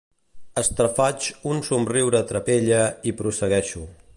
Estrafaig un somriure trapella i prossegueixo.